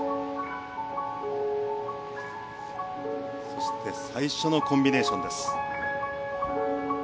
そして最初のコンビネーションです。